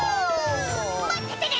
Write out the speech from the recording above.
まっててね！